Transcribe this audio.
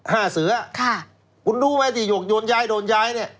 ห้าเสือคุณดูไหมสิโยกโยนย้ายโดนย้าย